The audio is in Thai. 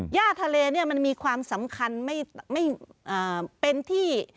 ย่าทะเลเนี่ยมันมีความสำคัญไม่เป็นที่